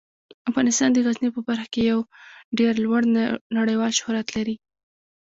افغانستان د غزني په برخه کې یو ډیر لوړ نړیوال شهرت لري.